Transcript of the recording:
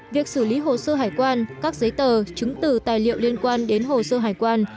việc xử lý hồ sơ hải quan các giấy tờ chứng từ tài liệu liên quan đến hồ sơ hải quan